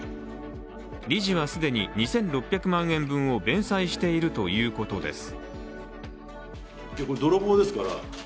理事は既に２６００万円分を弁済しているということです。